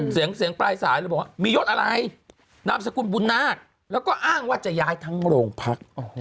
เสียงเสียงปลายสายเลยบอกว่ามียศอะไรนามสกุลบุญนาคแล้วก็อ้างว่าจะย้ายทั้งโรงพัก